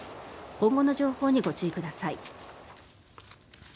今後の情報にご注意ください。